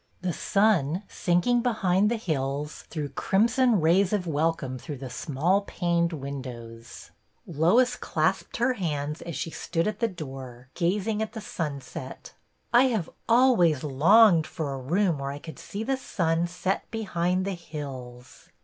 The sun, sinking behind the hills, threw crimson rays of welcome through the small paned win dows. Lois clasped her hands as she stood at the door, gazing at the sunset. I have always longed for a room where I could see the sun set behind the hills."